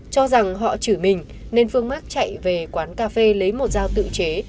cho rằng họ chửi mình nên phương mát chạy về quán cà phê lấy một dao tự chế